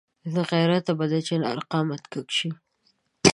له غیرته به د چنار قامت کږ شي.